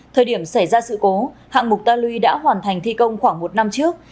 thời điểm xảy ra sự cố hạng mục ta lui đã hoàn thành thi công khoảng một năm trước